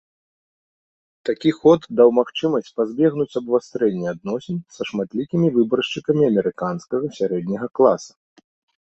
Такі ход даў магчымасць пазбегнуць абвастрэння адносін са шматлікімі выбаршчыкамі амерыканскага сярэдняга класа.